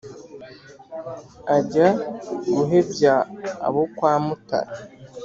Ajya guhebya abo kwa Mutana